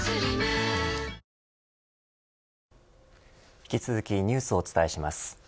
引き続きニュースをお伝えします。